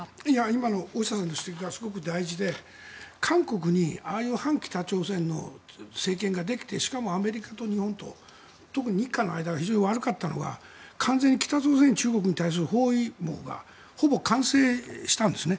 今の大下さんの指摘がすごく大事で韓国に、ああいう反北朝鮮の政権ができてしかもアメリカと日本と特に日韓の間が非常に悪かったのが完全に北朝鮮に中国に対する包囲網がほぼ完成したんですね。